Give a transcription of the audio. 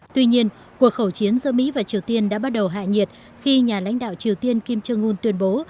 tuy nhiên cuộc khẩu chiến giữa mỹ và triều tiên đã bắt đầu hạ nhiệt khi nhà lãnh đạo triều tiên kim jong un tuyên bố